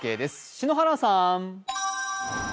篠原さん。